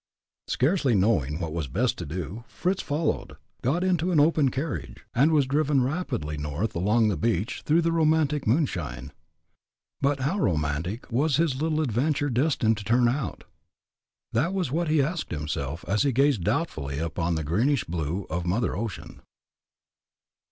Scarcely knowing what was best to do, Fritz followed, got into an open carriage, and was driven rapidly north along the beach, through the romantic moonshine. But, how romantic was his little adventure destined to turn out? That was what he asked himself, as he gazed doubtfully out upon the greenish blue of mother ocean.